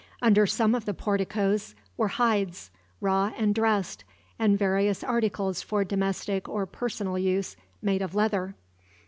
Under some of the porticoes were hides, raw and dressed; and various articles for domestic or personal use, made of leather.